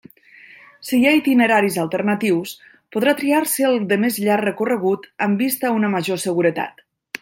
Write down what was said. Si hi ha itineraris alternatius, podrà triar-se el de més llarg recorregut amb vista a una major seguretat.